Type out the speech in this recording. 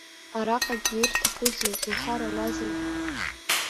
Араҟагьы ирҭахузеи, уҳәарауазеи?!